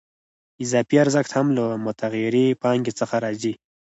اضافي ارزښت هم له متغیرې پانګې څخه راځي